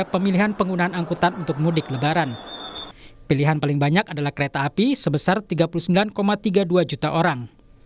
pilihan yang paling banyak adalah kereta api sebesar tiga puluh sembilan tiga puluh dua juta orang